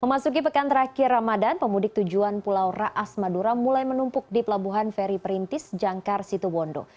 memasuki pekan terakhir ramadan pemudik tujuan pulau raas madura mulai menumpuk di pelabuhan feri perintis jangkar situbondo